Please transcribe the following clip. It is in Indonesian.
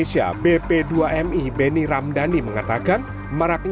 jika bekerja di negara tujuan